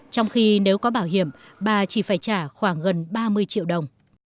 trong khi nếu có bảo hiểm bà chỉ phải trả khoảng gần ba mươi triệu đồng